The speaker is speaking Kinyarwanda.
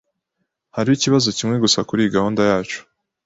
Hariho ikibazo kimwe gusa kuri gahunda yacu.